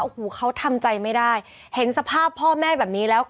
โอ้โหเขาทำใจไม่ได้เห็นสภาพพ่อแม่แบบนี้แล้ว